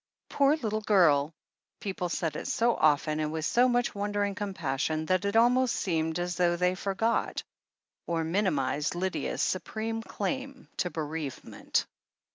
Poor little girl ! People said it so often and. with so much wondering compassion, that it almost seemed as though they forgot, or minimized, Lydia's supreme claim to bereavement.